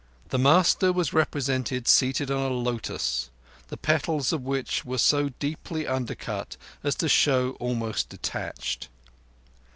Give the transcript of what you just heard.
The Master was represented seated on a lotus the petals of which were so deeply undercut as to show almost detached.